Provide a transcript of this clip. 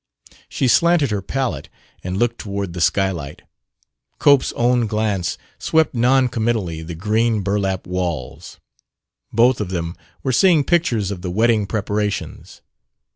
She slanted her palette and looked toward the skylight. Cope's own glance swept non committally the green burlap walls. Both of them were seeing pictures of the wedding preparations.